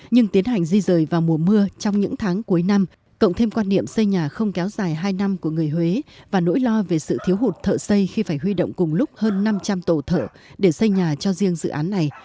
nhưng tiến hành di rời vào mùa mưa trong những tháng cuối năm cộng thêm quan niệm xây nhà không kéo dài hai năm của người huế và nỗi lo về sự thiếu hụt thợ xây khi phải huy động cùng lúc hơn năm trăm linh tổ thợ để xây nhà cho riêng dự án này